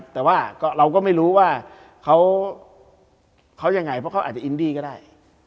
แต่ว่าเราก็ไม่รู้ว่าเขายังไงเพราะเขาอาจจะอินดี้ก็ได้